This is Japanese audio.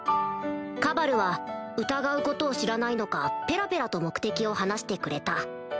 カバルは疑うことを知らないのかペラペラと目的を話してくれた